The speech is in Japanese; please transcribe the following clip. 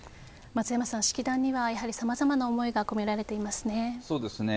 松山さん、式壇にはさまざまな思いが込められていますね。